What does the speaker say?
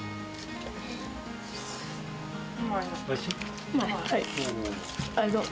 おいしい。